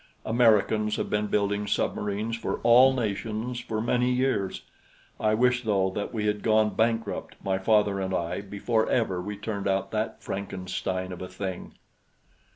"Americans have been building submarines for all nations for many years. I wish, though, that we had gone bankrupt, my father and I, before ever we turned out that Frankenstein of a thing."